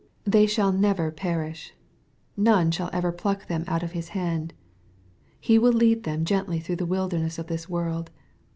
They shall never perish. None shall ever pluck them out of His hand. He will lead them gently through the wilderness of this world.